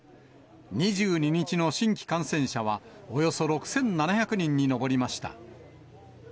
２２日の新規感染者は、およそ６７００人に上りました。